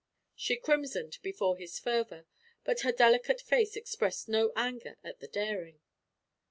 She crimsoned before his fervor, but her delicate face expressed no anger at the daring.